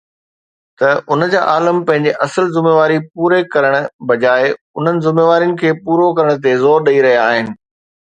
ته ان جا عالم پنهنجي اصل ذميواري پوري ڪرڻ بجاءِ انهن ذميوارين کي پورو ڪرڻ تي زور ڏئي رهيا آهن